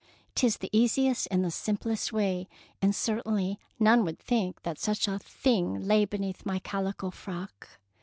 '' 'T is the easiest and the simplest way, and certainly none would think that such a thing lay beneath my cal ico frock.